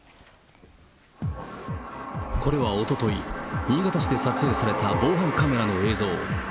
これはおととい、新潟市で撮影された防犯カメラの映像。